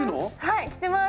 はい着てます！